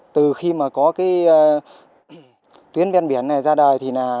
từ khi mà có cái tuyến ven biển này ra đời thì